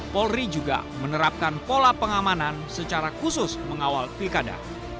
polri juga menerapkan pola pengamanan secara khusus mengawal pilkada